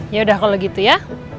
yaudah kalau gitu ya